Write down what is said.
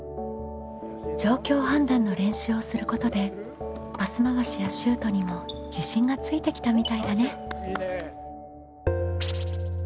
状況判断の練習をすることでパス回しやシュートにも自信がついてきたみたいだね。